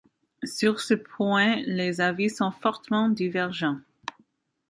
Sur ce point les avis sont fortement divergents.